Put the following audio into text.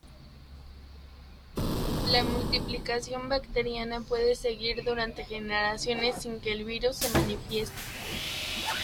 La multiplicación bacteriana puede seguir durante generaciones sin que el virus se manifieste.